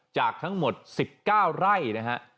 จากทั้งหมด๑๙ไร่นะฮะ